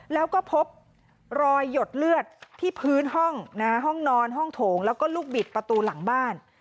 แล้วก็พบรอยหยดเลือดที่พื้นห้องนะฮะห้องนอนห้องโถงแล้วก็ลูกบิดประตูหลังบ้าน